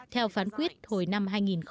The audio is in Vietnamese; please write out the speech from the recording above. theo phán quyết hồi năm hai nghìn một mươi